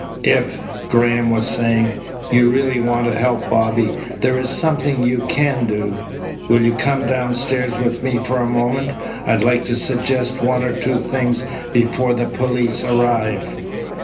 "If," Graham was saying, "you really want to help Bobby, there is something you can do. Will you come downstairs with me for a moment? I'd like to suggest one or two things before the police arrive."